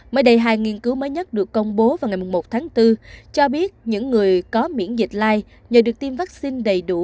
mới đây hai nghiên cứu mới nhất được công bố vào ngày một tháng bốn cho biết những người có miễn dịch lai nhờ được tiêm vaccine đầy đủ